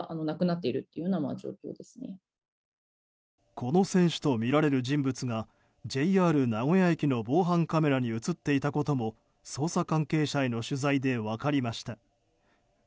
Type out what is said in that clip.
この選手とみられる人物がＪＲ名古屋駅の防犯カメラに映っていたことも捜査関係者への取材で分かりました。